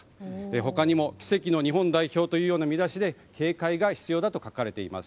他にも奇跡の日本代表という見出しで警戒が必要だと書かれています。